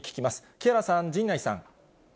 木原さん、陣内さん。